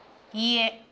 いいえ。